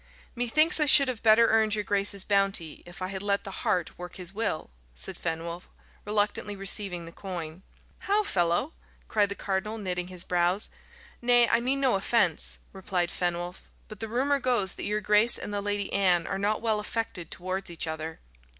"Methinks I should have better earned your grace's bounty if I had let the hart work his will," said Fenwolf, reluctantly receiving the coin. "How, fellow?" cried the cardinal, knitting his brows. "Nay, I mean no offence," replied Fenwolf; "but the rumour goes that your grace and the Lady Anne are not well affected towards each other."